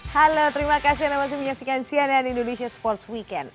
halo terima kasih anda masih menyaksikan cnn indonesia sports weekend